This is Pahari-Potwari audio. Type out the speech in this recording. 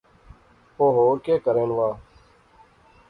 او ہور کہہ کرین وہا